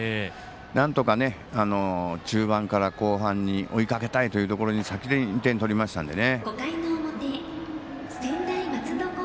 なんとか、中盤から後半に追いかけたいというところに先に２点取りましたんでね。